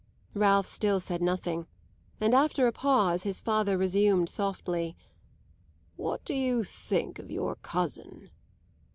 Ralph still said nothing; and after a pause his father resumed softly: "What do you think of your cousin?"